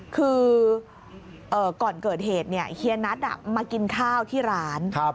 คือก่อนเกิดเหตุเฮียนัทมากินข้าวที่ร้าน